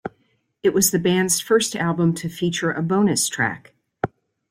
It was the band's first album to feature a bonus track.